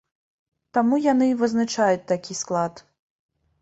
Таму яны і вызначаюць такі склад.